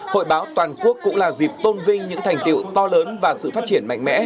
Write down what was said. hội báo toàn quốc cũng là dịp tôn vinh những thành tiệu to lớn và sự phát triển mạnh mẽ